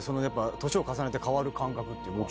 年を重ねて変わる感覚っていうのは。